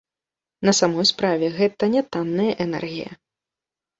На самой справе гэта нятанная энергія.